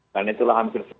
karena itulah hampir semua